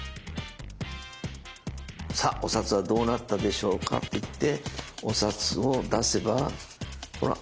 「さあお札はどうなったでしょうか」と言ってお札を出せばほら。